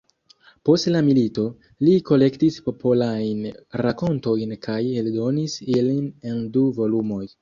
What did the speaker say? Post la milito, li kolektis popolajn rakontojn kaj eldonis ilin en du volumoj.